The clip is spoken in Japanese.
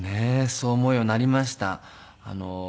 そう思うようになりました。